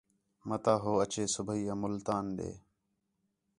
مَتا ہو اَچے صُبیح ملتان ݙے